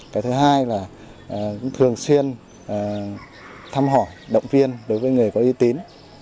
cái thứ hai là cũng thường xuyên thăm hỏi động viên đối với người có y tín